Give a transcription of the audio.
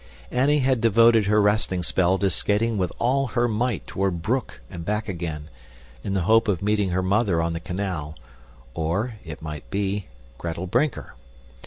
Annie had devoted her resting spell to skating with all her might toward Broek and back again, in the hope of meeting her mother on the canal, or, it might be, Gretel Brinker.